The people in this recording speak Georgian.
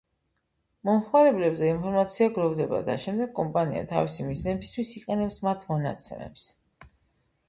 მომხმარებლებზე ინფორმაცია გროვდება და შემდეგ კომპანია თავისი მიზნებისთვის იყენებს მათ მონაცემებს.